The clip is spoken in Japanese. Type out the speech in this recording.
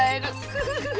フフフフ！